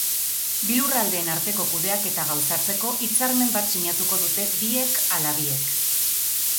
Bi lurraldeen arteko kudeaketa gauzatzeko, hitzarmen bat sinatuko dute biek ala biek.